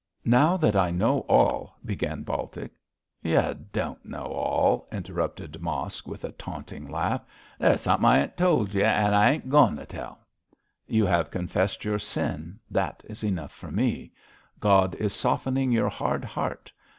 'Now that I know all ' began Baltic. 'Y' don't know all,' interrupted Mosk, with a taunting laugh; 'there's sumthin' I ain't told y', an' I ain't agoin' to tell.' 'You have confessed your sin, that is enough for me. God is softening your hard heart.